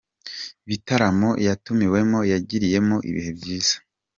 Bitaramo yatumiwemo yagiriyemo ibihe byiza